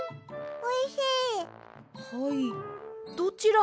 お！